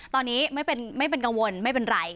ตอนนี้ไม่เป็นกังวลไม่เป็นไร